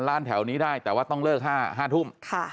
ร้านแถวนี้ได้แต่ว่าต้องเลิก๕ทุ่ม